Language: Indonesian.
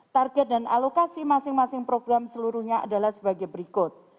target dan alokasi masing masing program seluruhnya adalah sebagai berikut